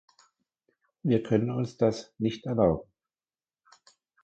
Wir können uns das nicht erlauben.